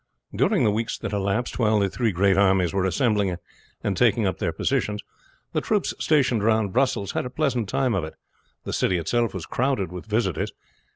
During the weeks that elapsed while the three great armies were assembling and taking up their positions, the troops stationed round Brussels had a pleasant time of it. The city itself was crowded with visitors.